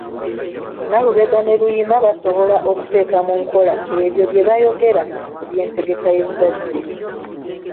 Nalubega ne Luyima basobola okuteeka munkola ebyo bye bayogera ku by’entegeka y’ezzadde.